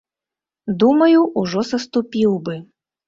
Думаю, ужо саступіў бы.